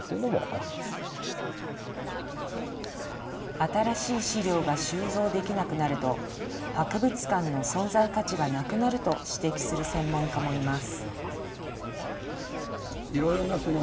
新しい資料が収蔵できなくなると、博物館の存在価値がなくなると指摘する専門家もいます。